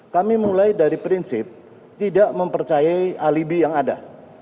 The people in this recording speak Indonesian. kami mulai dari prinsip tidak mempercayai alibi yang ada